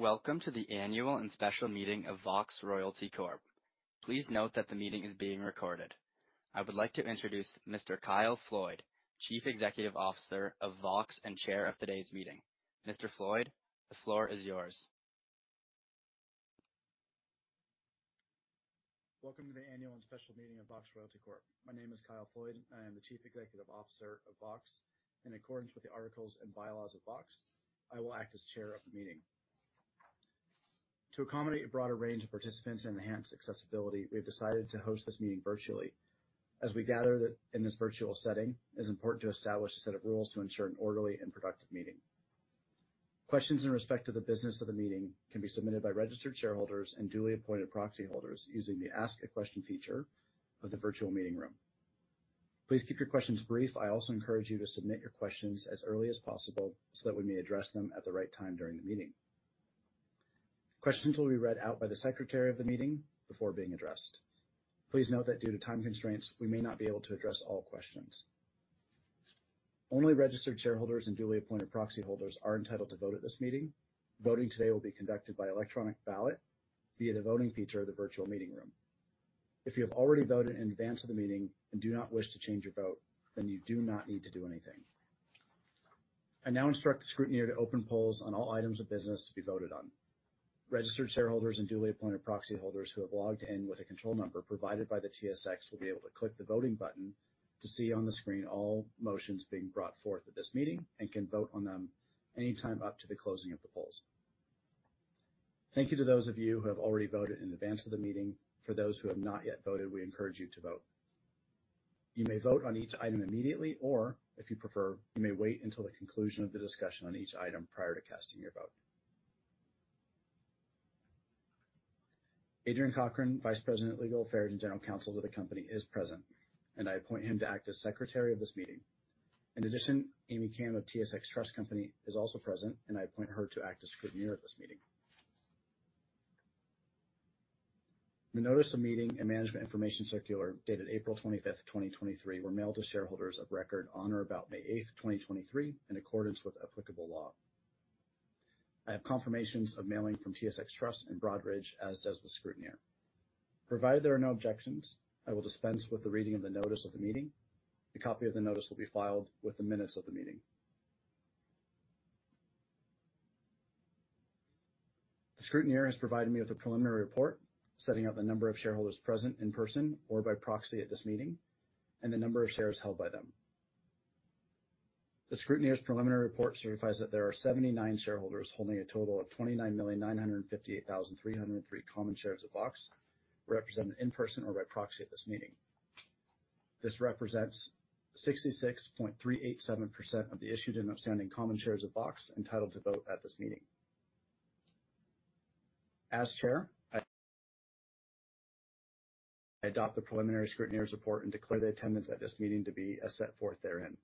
Welcome to the annual and special meeting of Vox Royalty Corp. Please note that the meeting is being recorded. I would like to introduce Mr. Kyle Floyd, Chief Executive Officer of Vox and Chair of today's meeting. Mr. Floyd, the floor is yours. Welcome to the annual and special meeting of Vox Royalty Corp. My name is Kyle Floyd, and I am the Chief Executive Officer of Vox. In accordance with the articles and bylaws of Vox, I will act as chair of the meeting. To accommodate a broader range of participants and enhance accessibility, we've decided to host this meeting virtually. As we gather that in this virtual setting, it's important to establish a set of rules to ensure an orderly and productive meeting. Questions in respect to the business of the meeting can be submitted by registered shareholders and duly appointed proxy holders using the Ask a Question feature of the virtual meeting room. Please keep your questions brief. I also encourage you to submit your questions as early as possible so that we may address them at the right time during the meeting. Questions will be read out by the secretary of the meeting before being addressed. Please note that due to time constraints, we may not be able to address all questions. Only registered shareholders and duly appointed proxy holders are entitled to vote at this meeting. Voting today will be conducted by electronic ballot via the voting feature of the virtual meeting room. If you have already voted in advance of the meeting and do not wish to change your vote, you do not need to do anything. I now instruct the scrutineer to open polls on all items of business to be voted on. Registered shareholders and duly appointed proxy holders who have logged in with a control number provided by the TSX, will be able to click the voting button to see on the screen all motions being brought forth at this meeting and can vote on them anytime up to the closing of the polls. Thank you to those of you who have already voted in advance of the meeting. For those who have not yet voted, we encourage you to vote. You may vote on each item immediately, or if you prefer, you may wait until the conclusion of the discussion on each item prior to casting your vote. Adrian Cochrane, Vice President, Legal Affairs and General Counsel of the company, is present, and I appoint him to act as secretary of this meeting. In addition, Amy Kam of TSX Trust Company is also present. I appoint her to act as scrutineer at this meeting. The notice of meeting and Management Information Circular, dated April 25, 2023, were mailed to shareholders of record on or about May 8, 2023, in accordance with applicable law. I have confirmations of mailing from TSX Trust and Broadridge, as does the scrutineer. Provided there are no objections, I will dispense with the reading of the notice of the meeting. A copy of the notice will be filed with the minutes of the meeting. The scrutineer has provided me with a preliminary report setting out the number of shareholders present in person or by proxy at this meeting, and the number of shares held by them. The scrutineer's preliminary report certifies that there are 79 shareholders holding a total of 29,958,303 common shares of Vox, represented in person or by proxy at this meeting. This represents 66.387% of the issued and outstanding common shares of Vox entitled to vote at this meeting. As chair, I adopt the preliminary scrutineer's report and declare the attendance at this meeting to be as set forth therein.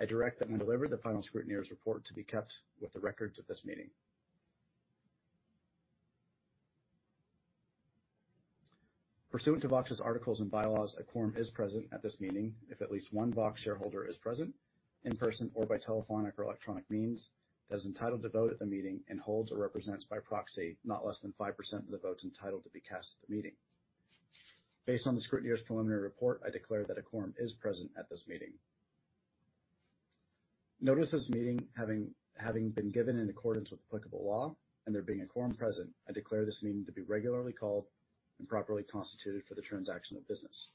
I direct that when delivered, the final scrutineer's report to be kept with the records of this meeting. Pursuant to Vox's articles and bylaws, a quorum is present at this meeting if at least one Vox shareholder is present, in person or by telephonic or electronic means, that is entitled to vote at the meeting and holds or represents by proxy not less than 5% of the votes entitled to be cast at the meeting. Based on the scrutineer's preliminary report, I declare that a quorum is present at this meeting. Notice this meeting having been given in accordance with applicable law and there being a quorum present, I declare this meeting to be regularly called and properly constituted for the transaction of business.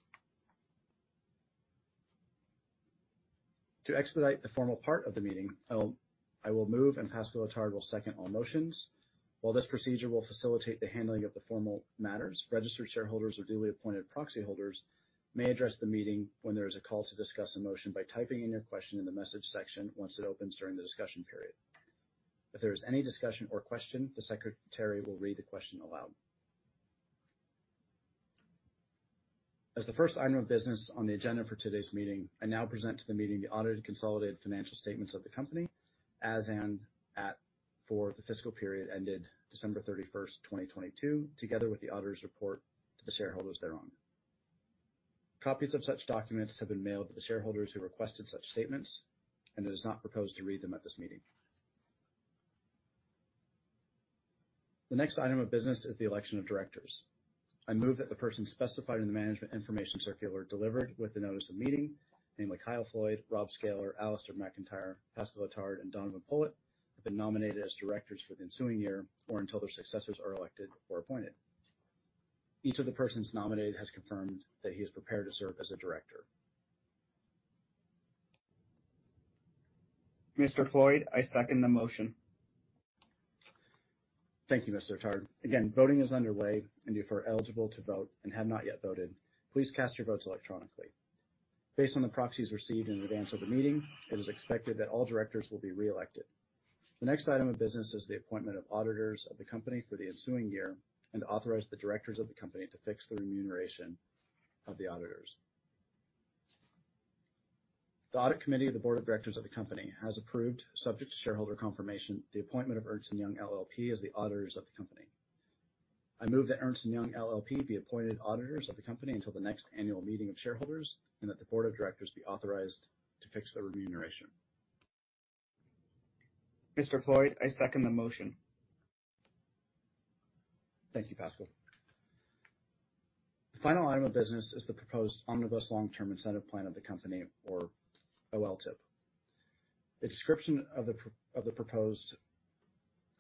To expedite the formal part of the meeting, I will move, and Pascal Attard will second all motions. While this procedure will facilitate the handling of the formal matters, registered shareholders or duly appointed proxy holders may address the meeting when there is a call to discuss a motion by typing in your question in the message section once it opens during the discussion period. If there is any discussion or question, the secretary will read the question aloud. As the first item of business on the agenda for today's meeting, I now present to the meeting the audited consolidated financial statements of the company as and at for the fiscal period ended December 31st, 2022, together with the auditor's report to the shareholders thereon. Copies of such documents have been mailed to the shareholders who requested such statements, and it is not proposed to read them at this meeting. The next item of business is the election of directors. I move that the person specified in the Management Information Circular, delivered with the notice of meeting, namely, Kyle Floyd, Rob Sckalor, Alastair McIntyre, Pascal Attard, and Donovan Pollitt, have been nominated as directors for the ensuing year or until their successors are elected or appointed. Each of the persons nominated has confirmed that he is prepared to serve as a director. Mr. Floyd, I second the motion. Thank you, Mr. Attard. Again, voting is underway, and if you are eligible to vote and have not yet voted, please cast your votes electronically. Based on the proxies received in advance of the meeting, it is expected that all directors will be reelected. The next item of business is the appointment of auditors of the company for the ensuing year and to authorize the directors of the company to fix the remuneration of the auditors. The audit committee of the board of directors of the company has approved, subject to shareholder confirmation, the appointment of Ernst & Young LLP as the auditors of the company.... I move that Ernst & Young LLP be appointed auditors of the company until the next annual meeting of shareholders, and that the board of directors be authorized to fix their remuneration. Mr. Floyd, I second the motion. Thank you, Pascal. The final item of business is the proposed Omnibus Long-Term Incentive Plan of the company, or OLTIP. The description of the proposed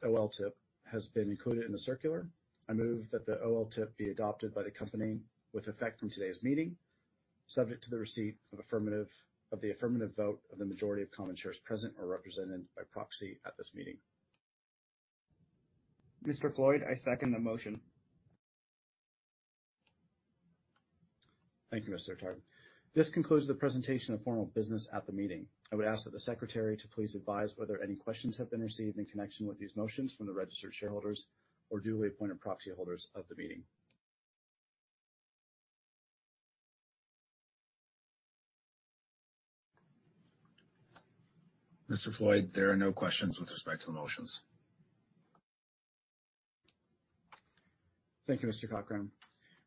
OLTIP has been included in the circular. I move that the OLTIP be adopted by the company with effect from today's meeting, subject to the receipt of the affirmative vote of the majority of common shares present or represented by proxy at this meeting. Mr. Floyd, I second the motion. Thank you, Mr. Attard. This concludes the presentation of formal business at the meeting. I would ask that the secretary to please advise whether any questions have been received in connection with these motions from the registered shareholders or duly appointed proxy holders of the meeting. Mr. Floyd, there are no questions with respect to the motions. Thank you, Mr. Cochrane.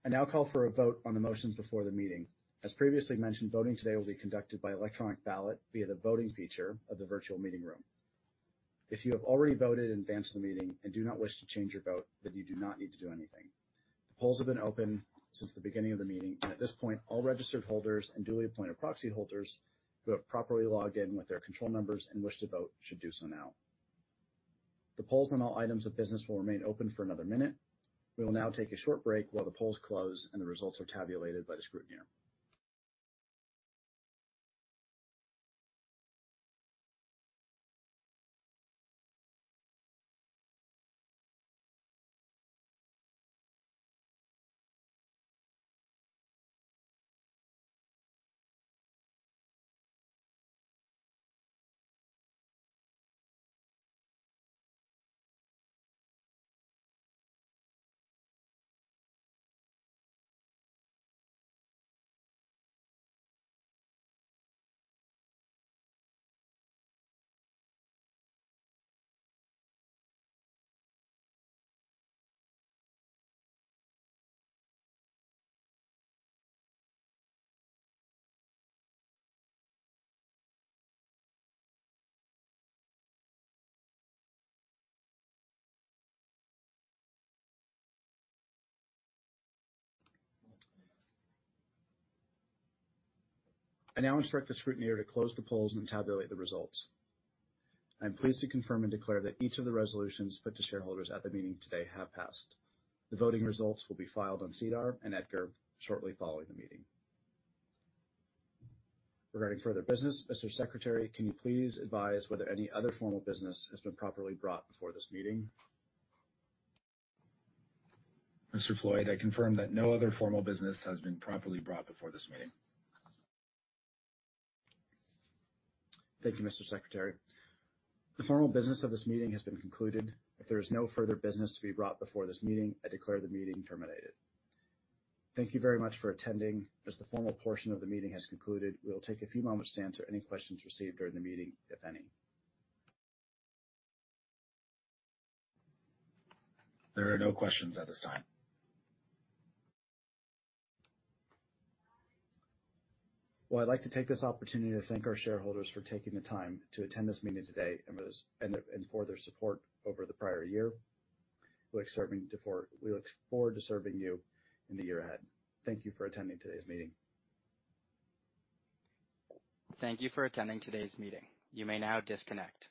I now call for a vote on the motions before the meeting. As previously mentioned, voting today will be conducted by electronic ballot via the voting feature of the virtual meeting room. If you have already voted in advance of the meeting and do not wish to change your vote, then you do not need to do anything. The polls have been open since the beginning of the meeting, and at this point, all registered holders and duly appointed proxy holders who have properly logged in with their control numbers and wish to vote, should do so now. The polls on all items of business will remain open for another minute. We will now take a short break while the polls close and the results are tabulated by the scrutineer. I now instruct the scrutineer to close the polls and tabulate the results. I'm pleased to confirm and declare that each of the resolutions put to shareholders at the meeting today have passed. The voting results will be filed on SEDAR and EDGAR shortly following the meeting. Regarding further business, Mr. Secretary, can you please advise whether any other formal business has been properly brought before this meeting? Mr. Floyd, I confirm that no other formal business has been properly brought before this meeting. Thank you, Mr. Secretary. The formal business of this meeting has been concluded. If there is no further business to be brought before this meeting, I declare the meeting terminated. Thank you very much for attending. As the formal portion of the meeting has concluded, we'll take a few moments to answer any questions received during the meeting, if any. There are no questions at this time. Well, I'd like to take this opportunity to thank our shareholders for taking the time to attend this meeting today and for those, and for their support over the prior year. We look forward to serving you in the year ahead. Thank you for attending today's meeting. Thank you for attending today's meeting. You may now disconnect.